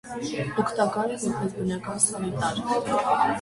Օգտակար է որպես բնական սանիտար։